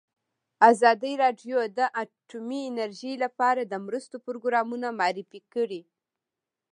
ازادي راډیو د اټومي انرژي لپاره د مرستو پروګرامونه معرفي کړي.